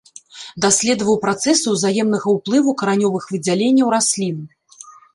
Даследаваў працэсы ўзаемнага ўплыву каранёвых выдзяленняў раслін.